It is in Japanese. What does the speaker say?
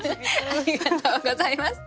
ありがとうございます。